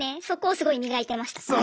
そこをすごい磨いてました。